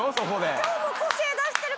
今日も個性出してる。